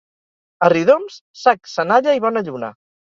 A Riudoms, sac, senalla i bona lluna.